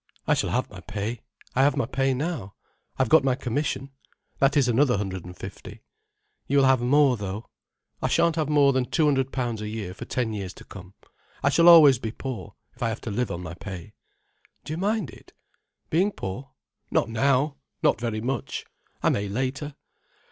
"I shall have my pay—I have my pay now. I've got my commission. That is another hundred and fifty." "You will have more, though?" "I shan't have more than £ 200 a year for ten years to come. I shall always be poor, if I have to live on my pay." "Do you mind it?" "Being poor? Not now—not very much. I may later.